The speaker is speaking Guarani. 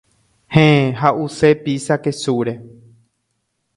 Héẽ, ha’use pizza kesúre.